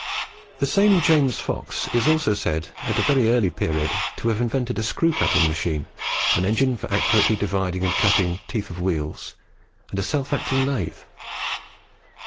The same James Fox is also said at a very early period to have invented a screw cutting machine, an engine for accurately dividing and cutting the teeth of wheels, and a self acting lathe.